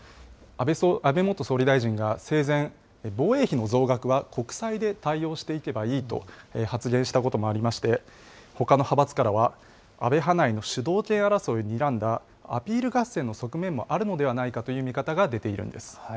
安倍元総理大臣が生前、防衛費の増額は国債で対応していけばいいと発言したこともありまして、ほかの派閥からは、安倍派内の主導権争いをにらんだアピール合戦の側面もあるのではないかという見方が出ているんです。